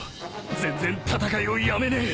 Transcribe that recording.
全然戦いをやめねえ。